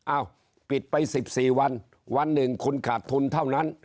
ปิดไป๑๔วันวันหนึ่งคุณขาดทุนเท่านั้น